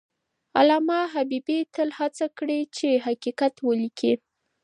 علامه حبیبي تل هڅه کړې چې حقیقت ولیکي.